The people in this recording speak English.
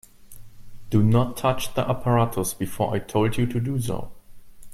Do not touch the apparatus before I told you to do so.